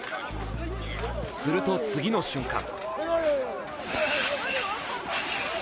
すると次の瞬間。